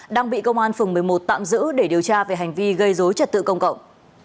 đang bị công an phường một mươi một tạm giữ để điều tra về hành vi gây dối trật tự công cộng